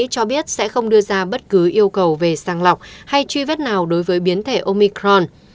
cho biết sẽ không đưa ra bất cứ yêu cầu về sàng lọc hay truy vết nào đối với biến thể omicron